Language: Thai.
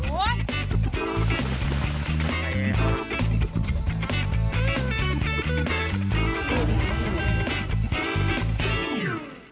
มวดดีรวย